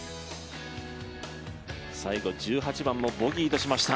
最後１８番もボギーとしました。